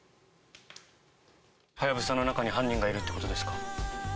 ハヤブサの中に犯人がいるってことですか。